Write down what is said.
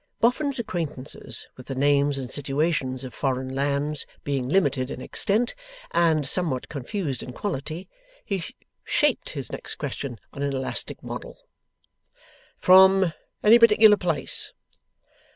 Boffin's acquaintances with the names and situations of foreign lands being limited in extent and somewhat confused in quality, he shaped his next question on an elastic model. 'From any particular place?